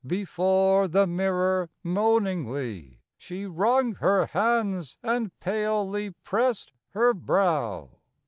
Before the mirror moaningly She wrung her hands and palely pressed Her brow.